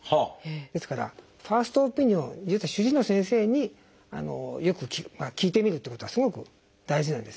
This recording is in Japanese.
ですからファーストオピニオン主治医の先生によく聞いてみるってことはすごく大事なんですね。